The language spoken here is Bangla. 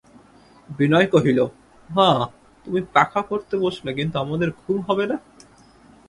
বিনয় কহিল, মা, তুমি পাখা করতে বসলে কিন্তু আমাদের ঘুম হবে না।